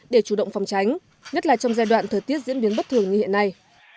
để chủ động phòng tránh nhất là trong giai đoạn thời tiết diễn biến bất thường như hiện nay